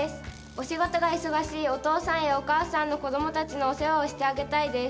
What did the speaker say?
お仕事が忙しいお父さんやお母さんの子供たちのお世話をしてあげたいです。